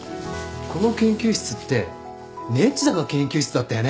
この研究室ってネチ田の研究室だったよね？